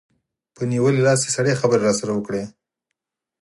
په نیولي لاس یې سړې خبرې راسره وکړې.